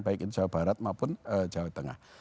baik itu jawa barat maupun jawa tengah